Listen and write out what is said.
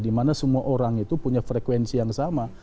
dimana semua orang itu punya frekuensi yang sama